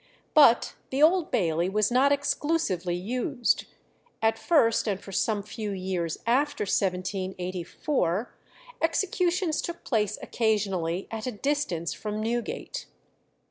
But the Old Bailey was not exclusively used; at first, and for some few years after 1784, executions took place occasionally at a distance from Newgate.